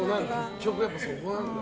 結局、やっぱりそこなんだ。